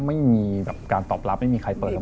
ไม่มีการตอบรับไม่มีใครเปิดออกมา